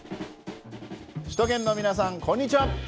首都圏の皆さんこんにちは！